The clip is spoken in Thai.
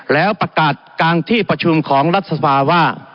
แล้วประกาศกลางที่ประชุมของรัฐสภาว่า